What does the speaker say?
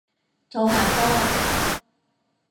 โทรหาพ่อ